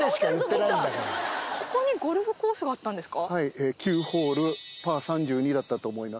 ここにゴルフコースがあったんですか？